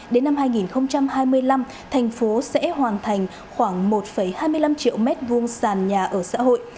đến năm hai nghìn hai mươi năm thành phố sẽ hoàn thành khoảng một hai mươi năm triệu m hai sàn nhà ở xã hội